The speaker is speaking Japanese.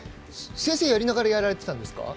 先生をやりながらやられてたんですか？